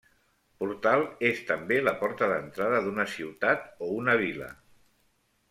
Portal és també la porta d’entrada d’una ciutat o una vila.